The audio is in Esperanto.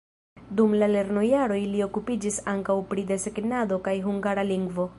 Dum la lernojaroj li okupiĝis ankaŭ pri desegnado kaj hungara lingvo.